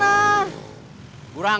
ya udah kang